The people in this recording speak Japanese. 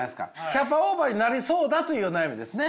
キャパオーバーになりそうだという悩みですね。